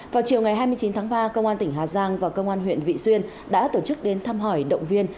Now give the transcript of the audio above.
vào chiều ngày hai mươi chín tháng ba công an tỉnh hà giang và công an huyện vị xuyên đã tổ chức đến thăm hỏi động viên